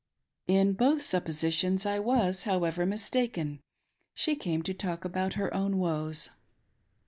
In both suppositions I waS, however, mistaken— she came to talk about her own woes.